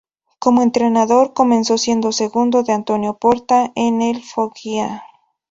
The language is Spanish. Como entrenador comenzó siendo segundo de Antonio Porta en el Foggia.